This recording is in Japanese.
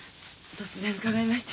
突然伺いまして。